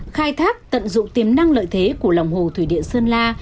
khai thác tận dụng tiềm năng lợi thế của lòng hồ thủy điện sơn la